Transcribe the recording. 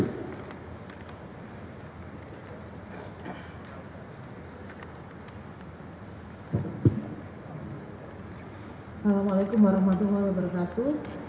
assalamu'alaikum warahmatullahi wabarakatuh